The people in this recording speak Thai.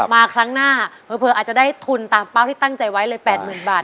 มาครั้งหน้าเผลออาจจะได้ทุนตามเป้าที่ตั้งใจไว้เลย๘๐๐๐บาท